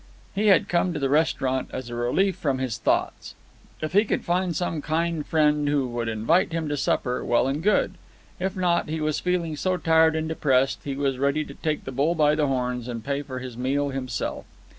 He had come to the restaurant as a relief from his thoughts. If he could find some kind friend who would invite him to supper, well and good. If not, he was feeling so tired and depressed that he was ready to take the bull by the horns and pay for his meal himself.